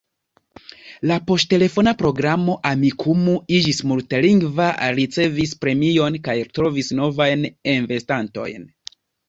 La poŝtelefona programo Amikumu iĝis multlingva, ricevis premion kaj trovis novajn investantojn.